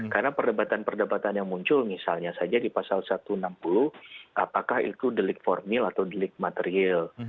karena perdebatan perdebatan yang muncul misalnya saja di pasal satu ratus enam puluh apakah itu delik formil atau delik material